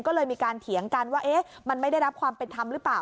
ก็เลยมีการเถียงกันว่ามันไม่ได้รับความเป็นธรรมหรือเปล่า